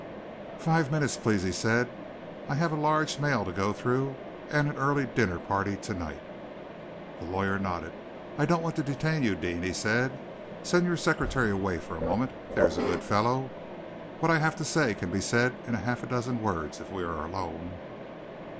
"Five minutes, please," he said. "I have a large mail to go through, and an early dinner party to night." The lawyer nodded. "I don't want to detain you, Deane," he said. "Send your secretary away for a moment, there's a good fellow. What I have to say can be said in half a dozen words if we are alone."